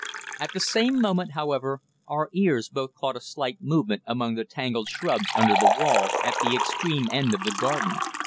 At the same moment, however, our ears both caught a slight movement among the tangled shrubs under the wall at the extreme end of the garden.